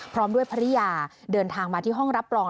พร้อมด้วยภรรยาเดินทางมาที่ห้องรับรอง